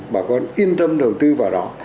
bà con yên tâm đầu tư vào đó